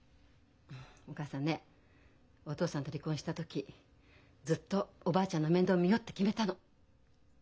お母さんねお父さんと離婚した時ずっとおばあちゃんの面倒見ようって決めたの。